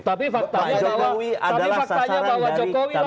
tapi faktanya bahwa jokowi adalah sasaran dari kampanye isu sara